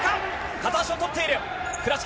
片足を取っている。